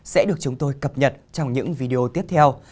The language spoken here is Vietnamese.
sẽ được chúng tôi cập nhật trong những video tiếp theo